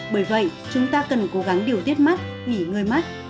bởi vậy chúng ta cần cố gắng điều tiết mắt nghỉ ngơi mắt